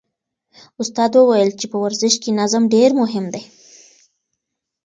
استاد وویل چې په ورزش کې نظم ډېر مهم دی.